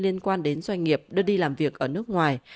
liên quan đến doanh nghiệp đưa đi làm việc ở nước ngoài